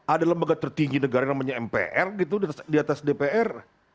ada lembaga tertinggi negara yang namanya mpr gitu di atas dpr